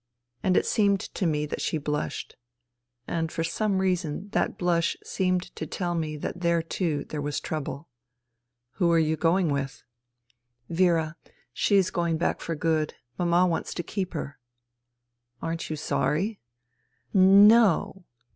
And it seemed to me that she blushed. And for some reason that blush seemed to tell me that there, too, there was trouble, " Who are you going with ?"" Vera. She is going back for good. Mama wants to keep her." " Aren't you sorry ?"" No."